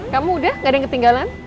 kamu udah gak ada yang ketinggalan